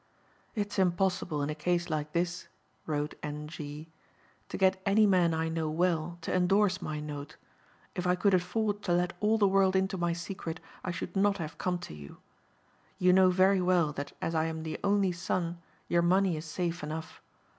"It's impossible in a case like this," wrote "N.G.," "to get any man I know well to endorse my note. If I could afford to let all the world into my secret, I should not have come to you. You know very well that as I am the only son your money is safe enough.